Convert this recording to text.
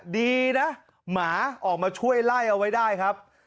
ดีนะหมาออกมาช่วยไล่เอาไว้ได้ครับ